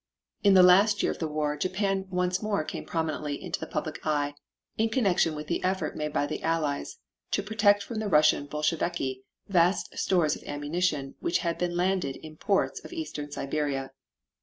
In the last year of the war Japan once more came prominently in the public eye in connection with the effort made by the Allies to protect from the Russian Bolsheviki vast stores of ammunition which had been landed in ports of Eastern Siberia.